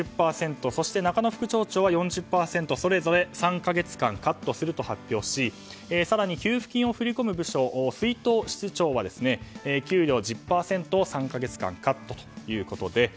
そして、副町長は４０％それぞれ３か月間カットすると発表し更に給付金を振り込む部署出納室長は給料１０％を３か月間カットということで。